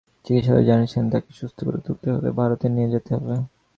চিকিৎসকেরা জানিয়েছেন, তাঁকে সুস্থ করে তুলতে হলে ভারতে নিয়ে যেতে হবে।